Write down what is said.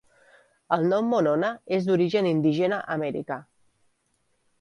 El nom Monona és d'origen indígena americà.